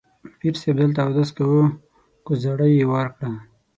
پیر صاحب دلته اودس کاوه، کوزړۍ یې وار کړه.